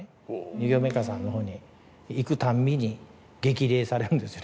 乳業メーカーさんのほうに行くたんびに激励されるんです